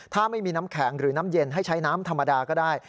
ถ้าไม่มีน้ำแข็งหรือน้ำเย็นให้ใช้น้ำธรรมดาก็ได้